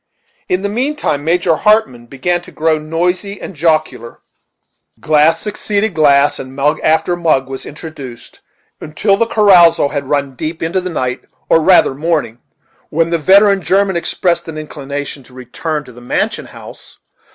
In the mean time, Major Hartmann began to grow noisy and jocular; glass succeeded glass, and mug after mug was introduced, until the carousal had run deep into the night, or rather morning; when the veteran German expressed an inclination to return to the mansion house.